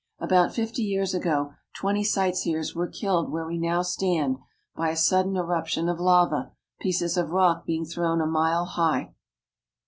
About fifty years ago twenty sightseers were killed where we now stand, by a sudden eruption of lava, pieces of rock being thrown a mile high.